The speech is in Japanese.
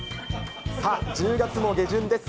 さあ、１０月も下旬です。